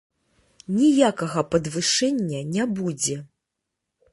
Ніякага падвышэння не будзе.